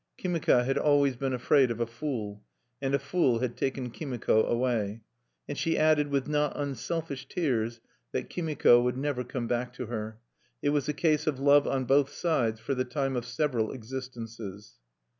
Kimika had always been afraid of a fool; and a fool had taken Kimiko away. And she added, with not unselfish tears, that Kimiko would never come back to her: it was a case of love on both sides for the time of several existences.